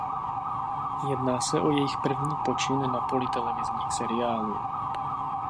Jedná se o jejich první počin na poli televizních seriálů.